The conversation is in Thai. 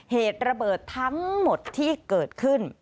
เหตุระเบิดทั้งหมดที่เกิดขึ้น